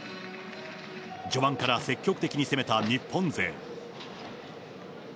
序盤から積極的に攻めた日本勢。